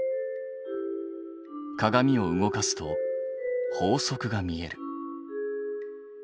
鏡を動かすと法則が見える。